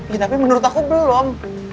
ya tapi menurut aku belum